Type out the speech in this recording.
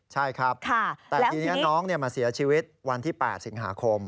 ใช่ครับแต่ทีนี้น้องมาเสียชีวิตวันที่๘สิงหาคม